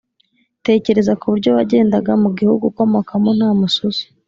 Tekereza ku buryo wagendaga mu gihugu ukomokamo nta mususu